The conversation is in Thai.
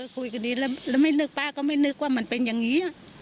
คุยกันดีแล้วไม่นึกป้าก็ไม่นึกว่ามันเป็นอย่างนี้